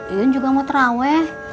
iyun juga mau terawih